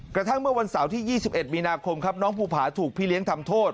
กระทั่งเมื่อวันเสาร์ที่๒๑มีนาคมครับน้องภูผาถูกพี่เลี้ยงทำโทษ